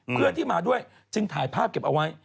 เพื่อนที่มาด้วยจึงถ่ายภาพเก็บเอาไว้